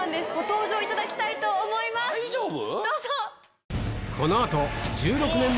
大丈夫？